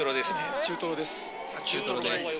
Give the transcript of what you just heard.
中トロです。